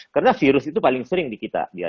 karena virus itu paling sering di kita